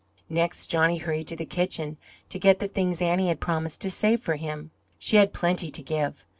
Next Johnny hurried to the kitchen to get the things Annie had promised to save for him. She had plenty to give.